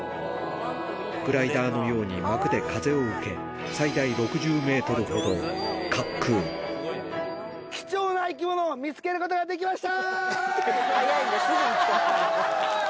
グライダーのように膜で風を受け、貴重な生き物を見つけることができました！